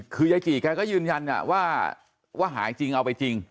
คือยายจี่แกก็ยืนยันว่าหายจริงเอาไปจริง